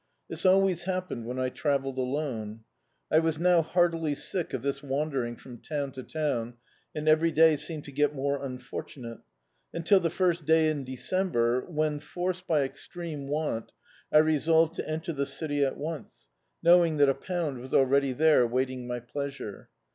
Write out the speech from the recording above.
This always hap pened when I travelled alone. I was now heartily sick of this wandering from town to town, and every day seemed to get more unfortunate; until the first day in December, when, forced by extreme want, I resolved to enter the city at once, knowing that a pound was already there waiting my pleasure.